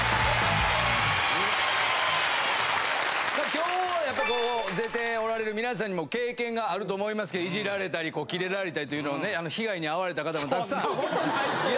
今日やっぱここ出ておられる皆さんにも経験があると思いますけどイジられたりキレられたりというのをね被害に遭われた方もたくさん。